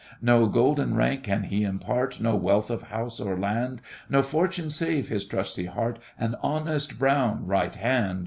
No golden rank can he impart— No wealth of house or land— No fortune save his trusty heart And honest brown right hand!